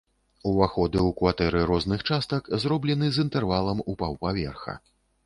Уваходы ў кватэры розных частак зроблены з інтэрвалам у паўпаверха.